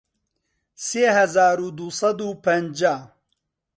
سێ هەزار و دوو سەد و پەنجا